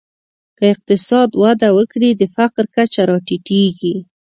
که اقتصاد وده وکړي، د فقر کچه راټیټېږي.